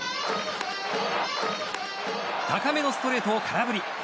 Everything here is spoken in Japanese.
高めのストレートを空振り。